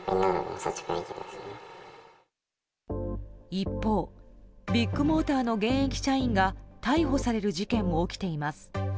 一方、ビッグモーターの現役社員が逮捕される事件も起きています。